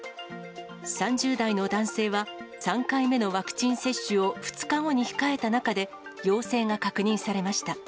３０代の男性は、３回目のワクチン接種を２日後に控えた中で、陽性が確認されました。